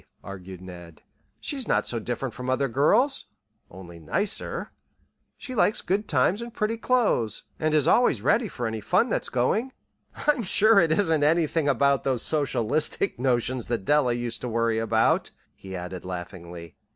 argued Ned. "She's not so different from other girls only nicer. She likes good times and pretty clothes, and is always ready for any fun that's going. I'm sure it isn't anything about those socialistic notions that Della used to worry about," he added laughingly.